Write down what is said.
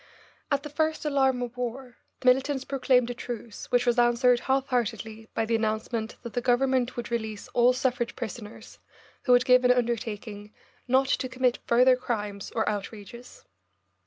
At the first alarm of war the militants proclaimed a truce, which was answered half heartedly by the announcement that the Government would release all suffrage prisoners who would give an undertaking "not to commit further crimes or outrages."